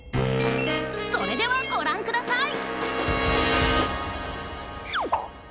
それではご覧ください